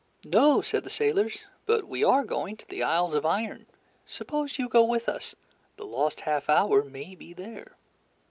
"No," said the sailors, "but we are going to the Isles of Iron; suppose you go with us. The lost half hour may be there."